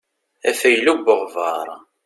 Afaylu n weɣbaṛ.